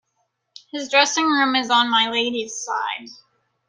His dressing-room is on my Lady's side.